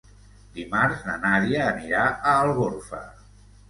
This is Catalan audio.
Dimarts na Nàdia anirà a Algorfa.